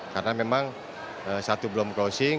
karena memang saat itu belum closing